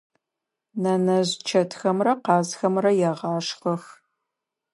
Нэнэжъ чэтхэмрэ къазхэмрэ егъашхэх.